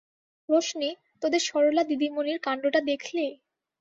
রোশনি, তোদের সরলা দিদিমণির কাণ্ডটা দেখলি?